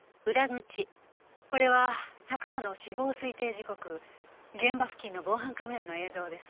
これは昨夜の死亡推定時刻現場付近の防犯カメラの映像です。